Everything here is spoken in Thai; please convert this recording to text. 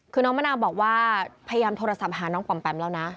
คือน้องมะนาวบอกว่าพยายามโทรศัพท์หาน้องปอมแปมแล้วนะ